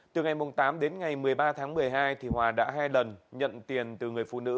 từ ngày tám đến ngày một mươi ba tháng một mươi hai hòa đã hai lần nhận tiền từ người phụ nữ